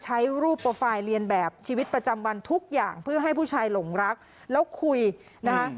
ใช้รูปโปรไฟล์เรียนแบบชีวิตประจำวันทุกอย่างเพื่อให้ผู้ชายหลงรักแล้วคุยนะคะ